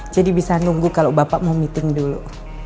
jadi bisa nunggu kalau bapak mau meeting dulu